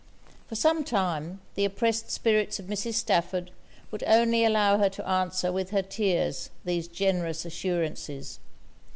For some time the oppressed spirits of Mrs. Stafford would only allow her to answer with her tears these generous assurances.